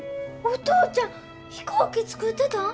お父ちゃん飛行機作ってたん！？